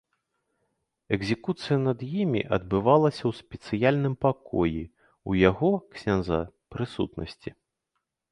Экзекуцыя над імі адбывалася ў спецыяльным пакоі ў яго, ксяндза, прысутнасці.